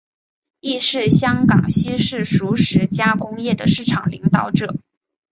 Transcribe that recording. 亦是香港西式熟食加工业的市场领导者。